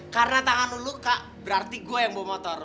karena tangan lu luka berarti gua yang bawa motor